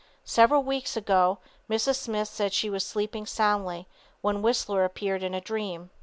Several weeks ago Mrs. Smith says she was sleeping soundly when Whistler appeared in a dream.